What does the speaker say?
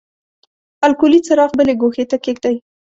الکولي څراغ بلې ګوښې ته کیږدئ.